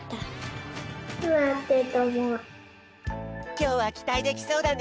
きょうはきたいできそうだね。